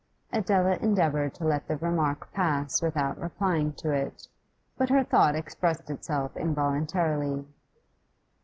Adela endeavoured to let the remark pass without replying to it. But her thought expressed itself involuntarily.